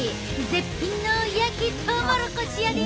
絶品の焼きトウモロコシやで！